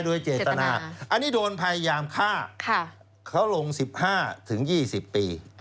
โดยเจตนาอันนี้โดนพยายามฆ่าค่ะเขาลงสิบห้าถึงยี่สิบปีอืม